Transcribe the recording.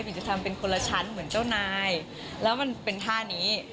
จะทำเป็นคนละชั้นเหมือนเจ้านายแล้วมันเป็นท่านี้